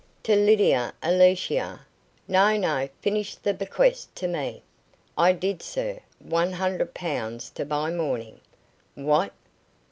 "To Lydia Alicia " "No, no, finish the bequest to me." "I did, sir. One hundred pounds to buy mourning." "What?